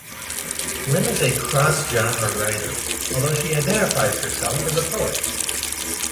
Lim is a cross-genre writer, although she identifies herself as a poet.